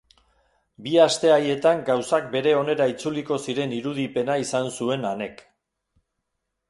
Bi aste haietan gauzak beren onera itzuliko ziren irudipena izan zuen Anek.